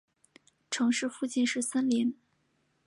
城市附近是森林。